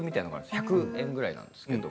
１００円ぐらいなんですけど。